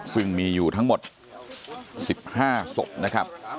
ซึ่งมีอยู่ทั้งหมด๑๕ศพนะครับ